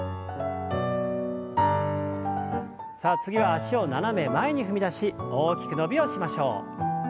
さあ次は脚を斜め前に踏み出し大きく伸びをしましょう。